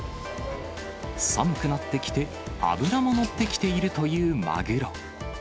寒くなってきて、脂も乗ってきているというマグロ。